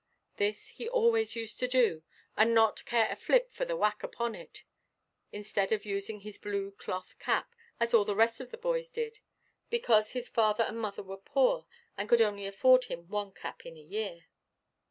This he always used to do, and not care a flip for the whack upon it, instead of using his blue cloth cap, as all the rest of the boys did; because his father and mother were poor, and could only afford him one cap in a year.